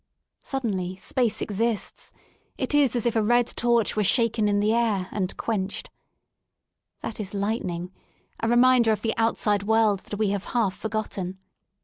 Suddenly space exists : it is as if a red torch were shaken in the air and quenched* That is lightning, a reminder of the outside world that we have half for gotten.